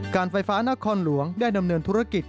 การไฟฟ้านครหลวงได้ดำเนินธุรกิจ